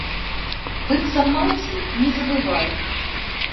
Быццам маці, не забывай.